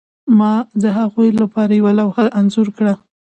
ما د هغوی لپاره یوه لوحه انځور کړه